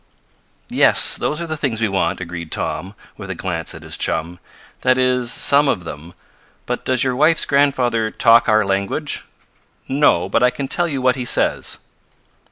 "Yes, those are the things we want," agreed Tom, with a glance at his chum. "That is some of them. But does your wife's grandfather talk our language?" "No, but I can tell you what he says."